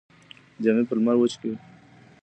جامې په لمر کې وچې کړئ.